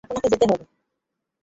আপনাকে যেতে হবে।